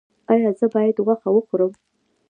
ایا زه باید غوښه وخورم؟